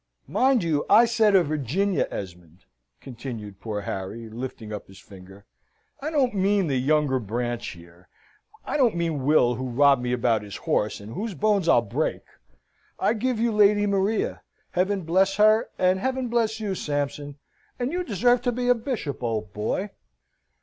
"Mind you, I said a Virginia Esmond," continued poor Harry, lifting up his finger. "I don't mean the younger branch here. I don't mean Will, who robbed me about the horse, and whose bones I'll break. I give you Lady Maria Heaven bless her, and Heaven bless you, Sampson, and you deserve to be a bishop, old boy!"